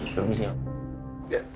permisi ya pak